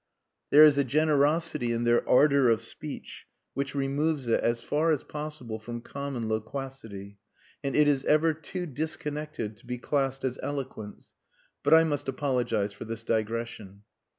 There is a generosity in their ardour of speech which removes it as far as possible from common loquacity; and it is ever too disconnected to be classed as eloquence.... But I must apologize for this digression.